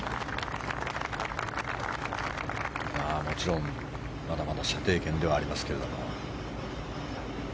もちろん、まだまだ射程圏ではありますけれども。